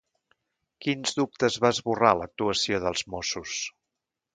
Quins dubtes va esborrar l'actuació dels Mossos?